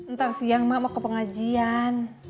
ntar siang mak mau ke pengajian